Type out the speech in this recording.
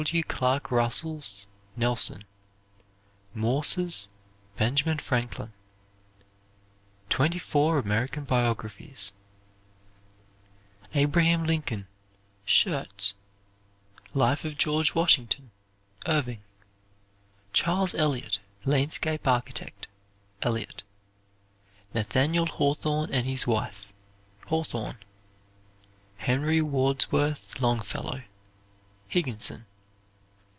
W. Clark Russell's, "Nelson." Morse's, "Benjamin Franklin." Twenty four American Biographies "Abraham Lincoln," Schurz. "Life of George Washington," Irving. "Charles Eliot, Landscape Architect," Eliot. "Nathaniel Hawthorne and His Wife," Hawthorne. "Henry Wadsworth Longfellow," Higginson.